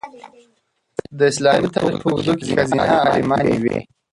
د اسلامي تاریخ په اوږدو کې ښځینه عالمانې وې.